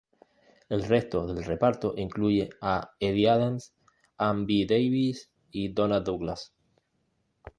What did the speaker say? El resto del reparto incluye a Edie Adams, Ann B. Davis, y Donna Douglas.